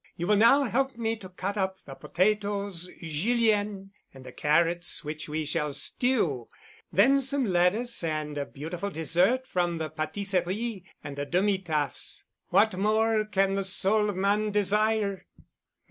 You will now help me to cut up the potatoes—Julienne,—and the carrots which we shall stew. Then some lettuce and a beautiful dessert from the pâtisserie—and a demi tasse. What more can the soul of man desire?"